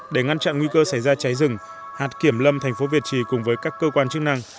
để ngăn chặn nguy cơ xảy ra cháy rừng hạt kiểm lâm thành phố việt trì cùng với các cơ quan chức năng